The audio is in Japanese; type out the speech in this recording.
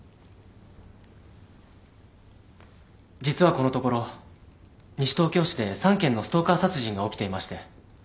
実はこのところ西東京市で３件のストーカー殺人が起きていまして。